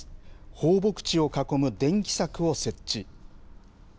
放牧地を囲む電気柵を設置。